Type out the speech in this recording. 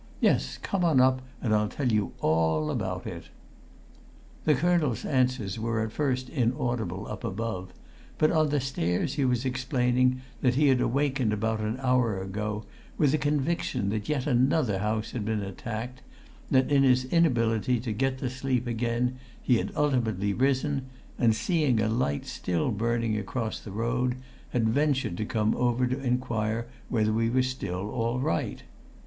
Yes, come on up and I'll tell you all about it." The colonel's answers were at first inaudible up above; but on the stairs he was explaining that he had awakened about an hour ago with a conviction that yet another house had been attacked, that in his inability to get to sleep again he had ultimately risen, and seeing a light still burning across the road, had ventured to come over to inquire whether we were still all right.